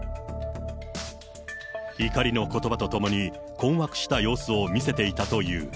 怒りのことばとともに、困惑した様子を見せていたという。